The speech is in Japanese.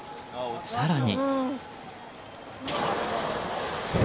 更に。